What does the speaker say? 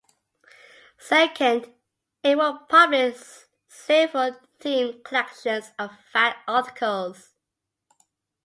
Second, it would publish several themed collections of fact articles.